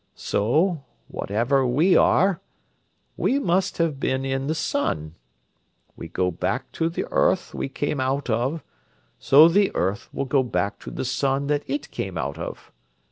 So, whatever we are, we must have been in the sun. We go back to the earth we came out of, so the earth will go back to the sun that it came out of.